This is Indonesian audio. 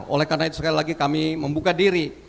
oleh karena itu sekali lagi kami membuka diri